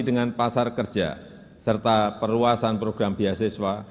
dengan pasar kerja serta perluasan program beasiswa